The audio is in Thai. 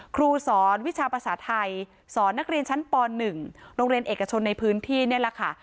ครูสอนวิชาภาษาไทยสอนนักเรียนชั้นป๑โรงเรียนเอกชนในพื้นที่นี่แหละค่ะ